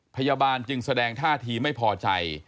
พยาบาลจึงแสดงท่าทีไม่พอใจ